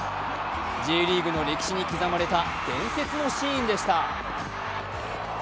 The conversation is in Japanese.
Ｊリーグの歴史に刻まれた伝説のシーンでした。